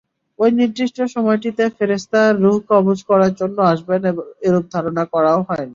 ঐ নির্দিষ্ট সময়টিতে ফেরেশতা রূহ কবয করার জন্যে আসবেন এরূপ ধারণা করাও হয়নি।